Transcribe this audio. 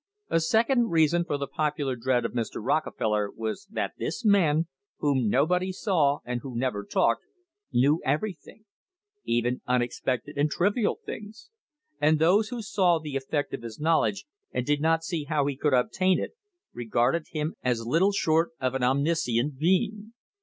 A second reason for the popular dread of Mr. Rockefeller was that this man, whom nobody saw and who never talked, knew everything even unexpected and trivial things and those who saw the effect of this knowledge and did not see how he could obtain it, regarded him as little short of an omniscient being.